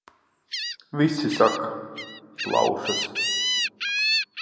Visi saka – plaušas...